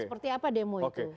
seperti apa demo itu